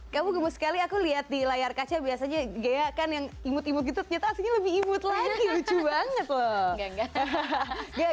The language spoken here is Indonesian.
kamu gemu sekali aku lihat di layar kaca biasanya ghea kan yang imut imut gitu ternyata aslinya lebih imut lagi lucu banget loh